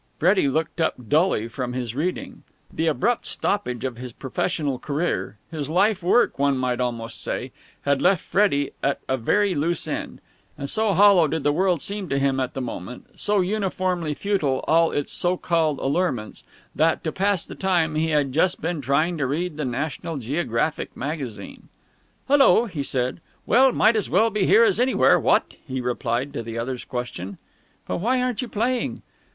Freddie looked up dully from his reading. The abrupt stoppage of his professional career his life work, one might almost say had left Freddie at a very loose end; and so hollow did the world seem to him at the moment, so uniformly futile all its so called allurements, that, to pass the time, he had just been trying to read the National Geographic Magazine. "Hullo!" he said. "Well, might as well be here as anywhere, what?" he replied to the other's question. "But why aren't you playing?"